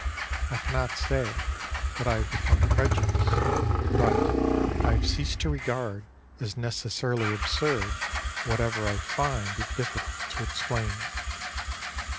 I cannot say that I have become credulous; but I have ceased to regard as necessarily absurd whatever I find it difficult to explain.